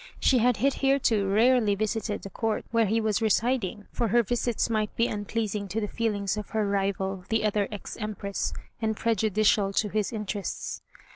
She had hitherto rarely visited the Court, where he was residing; for her visits might be unpleasing to the feelings of her rival, the other ex Empress, and prejudicial to his interests.